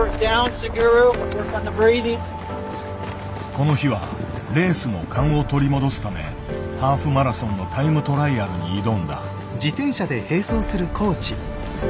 この日はレースの勘を取り戻すためハーフマラソンのタイムトライアルに挑んだ。